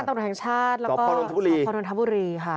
สำนักงานตำรวจแห่งชาติสวรรค์กรณฑบุรีค่ะ